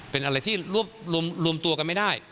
เป็นอะไรที่รวบรวมตัวกันไม่ได้